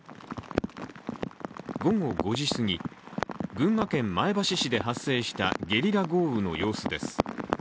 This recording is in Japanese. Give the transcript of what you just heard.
午後５時すぎ、群馬県前橋市で発生したゲリラ豪雨の様子です。